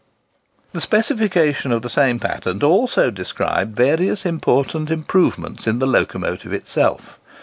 The specification of the same patent also described various important improvements in the locomotive itself.